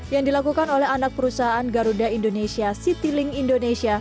yang dilakukan oleh anak perusahaan garuda indonesia citylink indonesia